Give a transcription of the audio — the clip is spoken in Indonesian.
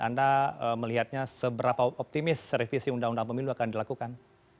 anda melihatnya seberapa optimis revisi undang undang pemilu akan dilakukan